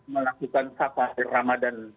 melakukan safari ramadhan